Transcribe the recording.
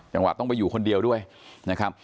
จังหวะต้องไปอยู่คนเดียวด้วยนะครับ